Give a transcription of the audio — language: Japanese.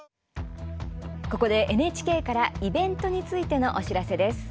ここで、ＮＨＫからイベントについてのお知らせです。